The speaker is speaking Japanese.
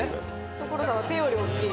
所さんの手より大きい。